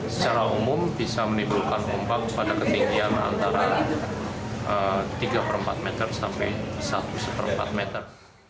secara umum bisa menimbulkan ombak pada ketinggian antara tiga per empat meter sampai satu empat meter